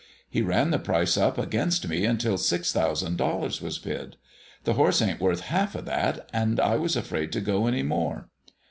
He ran the price up against me until six thousand dollars was bid. The horse ain't worth the half of that, and I was afraid to go any more."